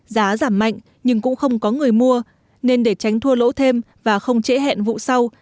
giá giảm mạnh nhưng cũng không có người mua nên để tránh thua lỗ thêm và không trễ hẹn vụ sau